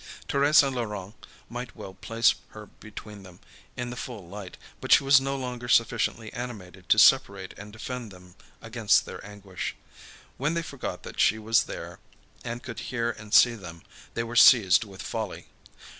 Thérèse and Laurent might well place her between them, in the full light, but she was no longer sufficiently animated to separate and defend them against their anguish. When they forgot that she was there and could hear and see them, they were seized with folly.